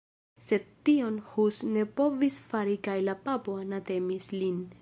Sed tion Hus ne povis fari kaj la papo anatemis lin.